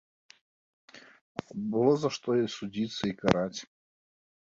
А было за што і судзіць, і караць.